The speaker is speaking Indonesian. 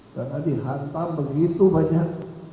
karena dihantam begitu banyak